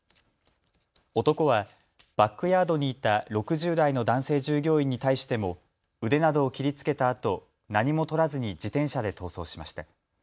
男はバックヤードにいた６０代の男性従業員に対しても腕などを切りつけたあと何もとらずに自転車で逃走しました。